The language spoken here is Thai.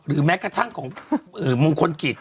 แม้กระทั่งของมงคลกิจ